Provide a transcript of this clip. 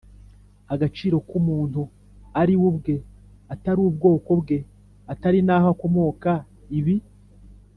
agaciro k umuntu ariwe ubwe atari ubwoko bwe Atari n aho akomoka ibi